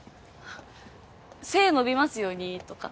「背伸びますように」とか？